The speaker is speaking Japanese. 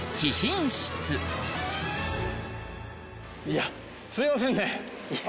いやすいませんね。